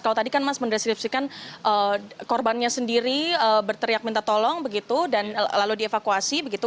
kalau tadi kan mas mendeskripsikan korbannya sendiri berteriak minta tolong begitu dan lalu dievakuasi begitu